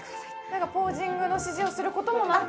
何かポージングの指示をすることもなく？